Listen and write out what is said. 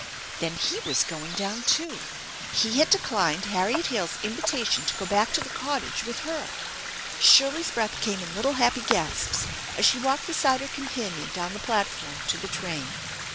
Then he was going down too ! He had declined Harriet Hale's invitation to go back to the cottage with her ! Shirley's breath came in little happy gasps as she walked beside her companion down the platform to the train.